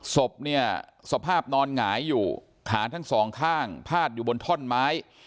ศพเนี่ยสภาพนอนหงายอยู่ขาทั้งสองข้างพาดอยู่บนท่อนไม้